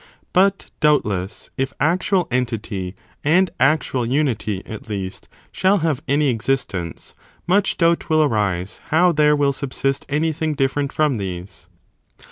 But, doubtless, if actual entity and actual 2 ThePhysicist unity, at least, shall have any existence, much increases the doubt will arise how there will subsist anything qSn?inT different from these.